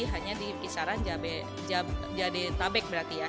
hanya di kisaran jadetabek berarti ya